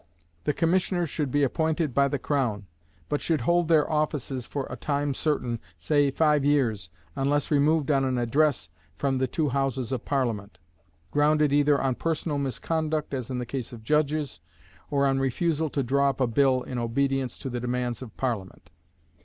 The commissioners should be appointed by the crown, but should hold their offices for a time certain, say five years, unless removed on an address from the two Houses of Parliament, grounded either on personal misconduct (as in the case of judges), or on refusal to draw up a bill in obedience to the demands of Parliament.